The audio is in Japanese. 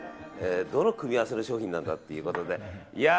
どの組み合わせの商品なんだっていうことで。